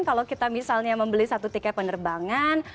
kalau kita misalnya membeli satu tiket penerbangan